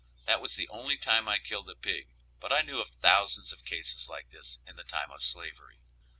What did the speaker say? That was the only time I killed a pig, but I knew of thousands of cases like this in the time of slavery.